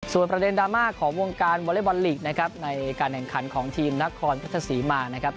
ประเด็นดราม่าของวงการวอเล็กบอลลีกนะครับในการแข่งขันของทีมนครรัฐศรีมานะครับ